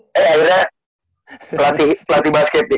eh akhirnya selatih basket deh